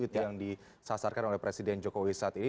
yang disasarkan oleh presiden jokowi saat ini